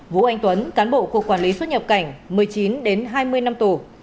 vũ anh tuấn cán bộ cục quản lý xuất nhập cảnh một mươi chín hai mươi năm tù